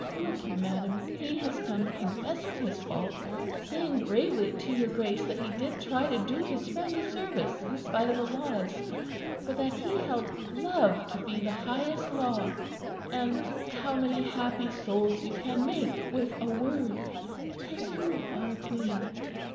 Look you, madam, he has come confessing his fault; saying bravely to your Grace that he did try to do his friend a service in spite of the laws, for that he held love to be the highest law. Ah! how many happy souls you can make with a word; because you are a Queen.